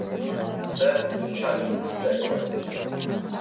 Сэ тучаным сэкӏо.